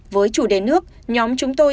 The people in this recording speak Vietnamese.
với chủ đề nước nhóm chúng tôi